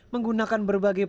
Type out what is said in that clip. menggunakan berbagai perusahaan